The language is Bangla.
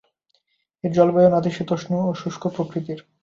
এর জলবায়ু নাতিশীতোষ্ণ ও শুষ্ক প্রকৃতির।